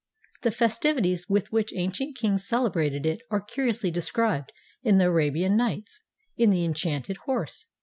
The festivities with which ancient kings celebrated it are curiously described in the "Arabian Nights," in ''The Enchanted Horse."